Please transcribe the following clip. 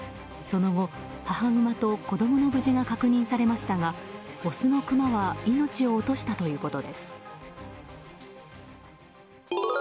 その後、母グマと子供の無事が確認されましたがオスのクマは命を落としたということです。